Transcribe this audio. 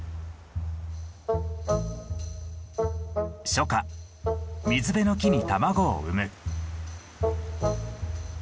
初夏水辺の木に卵を産む。